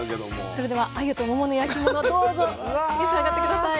それではあゆと桃の焼き物どうぞ召し上がって下さい。